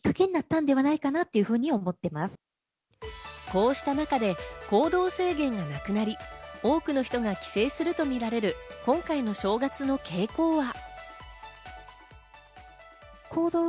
こうした中で、行動制限がなくなり、多くの人が帰省するとみられる今回の正月の傾向は。